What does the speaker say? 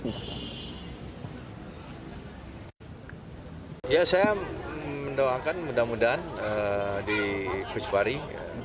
piala iff agustus menangkan kemampuan untuk menjadi jururacik strategi tim nas u sembilan belas